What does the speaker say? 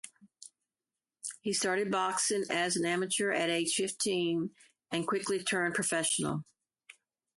He started boxing as an amateur at age fifteen and quickly turned professional.